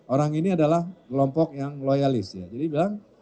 orang ini adalah kelompok yang loyalis ya jadi bilang